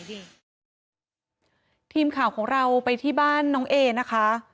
ทีมข่าวของเราไปที่บ้านน้องเอนะคะ